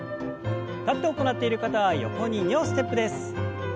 立って行っている方は横に２歩ステップです。